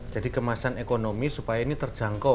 jadi kemasan ekonomis supaya ini terjangkau